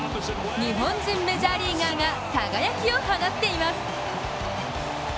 日本人メジャーリーガーが輝きを放っています。